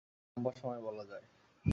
অনেক লম্বা সময় বলা যায়।